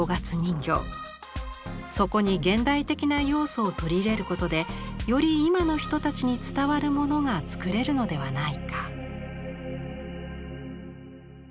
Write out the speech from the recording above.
そこに現代的な要素を取り入れることでより今の人たちに伝わるものが作れるのではないか。